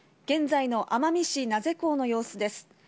現在の奄美市名瀬港の様子です。